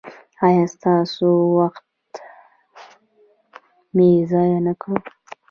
ایا ستاسو وخت مې ضایع نکړ؟